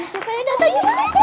ya payah datangin